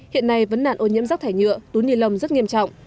hiện nay vẫn nạn ô nhiễm rác thải nhựa túi nilon rất nghiêm trọng